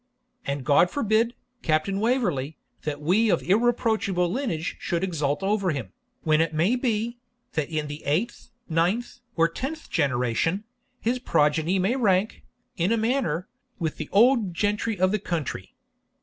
And God forbid, Captain Waverley, that we of irreproachable lineage should exult over him, when it may be, that in the eighth, ninth, or tenth generation, his progeny may rank, in a manner, with the old gentry of the country.